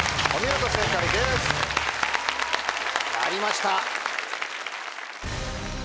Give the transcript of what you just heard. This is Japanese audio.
やりました！